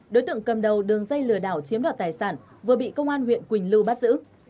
đối tượng cầm đầu đường dây lừa đảo chiếm đoạt tài sản vừa bị công an huyện quỳnh lưu bắt giữ